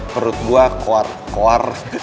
perut gua kuar kuar